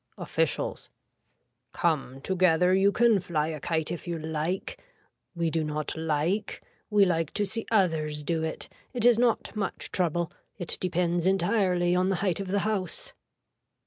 (Officials.) Come together you can fly a kite if you like. We do not like. We like to see others do it. It is not much trouble. It depends entirely on the height of the house.